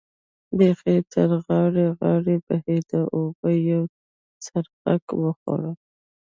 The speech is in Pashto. بېخي تر غاړې غاړې بهېده، اوبو به یو څرخک وخوړ.